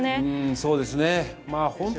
そうですね。